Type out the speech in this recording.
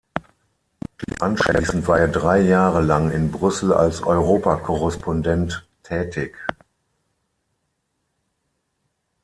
Anschließend war er drei Jahre lang in Brüssel als Europa-Korrespondent tätig.